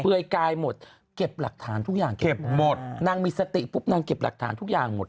เพื่อยกายหมดเก็บหลักฐานทุกอย่างเก็บหมดนางมีสติปุ๊บนางเก็บหลักฐานทุกอย่างหมด